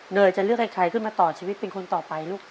ยจะเลือกให้ใครขึ้นมาต่อชีวิตเป็นคนต่อไปลูก